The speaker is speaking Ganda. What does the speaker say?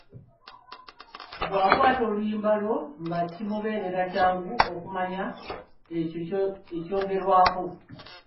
Bw’akwata oluyimba olwo nga kimubeerera kyangu okumanya ekyo ekyogerwako.